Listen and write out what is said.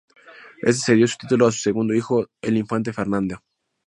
Este cedió su título a su segundo hijo el infante Fernando.